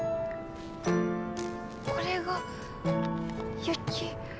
これが雪。